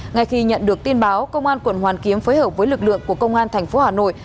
ngay khi nhận được tin báo công an quận hoàn kiếm phối hợp với lực lượng của công an thành phố hà nội